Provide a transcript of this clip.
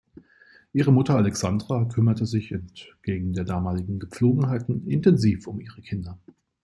Ihre Mutter Alexandra kümmerte sich, entgegen der damaligen Gepflogenheiten, intensiv um ihre Kinder.